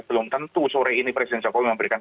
belum tentu sore ini presiden jokowi memberikan